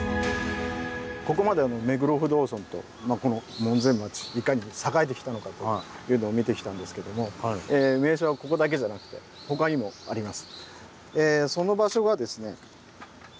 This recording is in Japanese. ここまで目黒不動尊とこの門前町いかに栄えてきたのかというのを見てきたんですけどもその場所がですねちょうどこの辺りにあります。